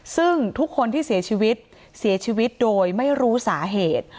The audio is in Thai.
ซึ่งทุกคนที่เสียชีวิตเสียชีวิตโดยไม่รู้สาเหตุ